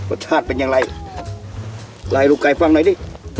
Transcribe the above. รสชาติเป็นอย่างไรเล่าให้ลูกไก่ฟังหน่อยดิ